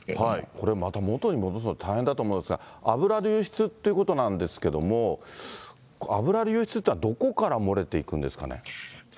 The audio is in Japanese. これまた元に戻すの大変だと思うんですが、油流出ということなんですけども、油流出っていうのは、どこから漏れていくんですかね。